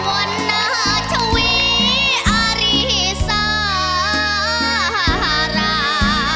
วันหน้าทวีอารีสารา